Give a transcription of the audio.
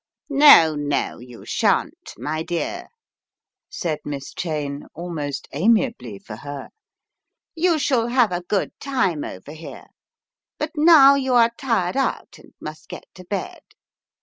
"No, no, you shan't, my dear," said Miss Cheyne, almost amiably for her, "you shall have a good time over here, but now you are tired out, and must get to bed.